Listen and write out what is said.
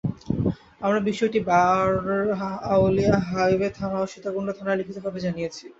আমরা বিষয়টি বার আউলিয়া হাইওয়ে থানা ও সীতাকুণ্ড থানায় লিখিতভাবে জানিয়েছি।